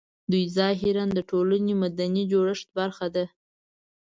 دوی ظاهراً د ټولنې د مدني جوړښت برخه ده